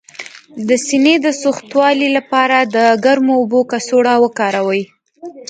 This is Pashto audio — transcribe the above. د سینې د سختوالي لپاره د ګرمو اوبو کڅوړه وکاروئ